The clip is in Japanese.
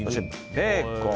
ベーコン。